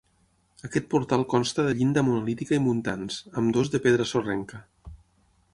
Aquest portal consta de llinda monolítica i muntants, ambdós de pedra sorrenca.